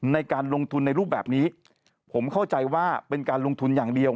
ในการลงทุนในรูปแบบนี้ผมเข้าใจว่าเป็นการลงทุนอย่างเดียว